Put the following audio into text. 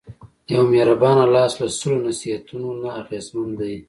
یو مهربان لاس له سلو نصیحتونو نه اغېزمن دی.